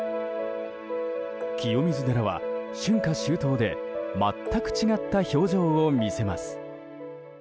清水寺は、春夏秋冬で全く違った表情を見せます。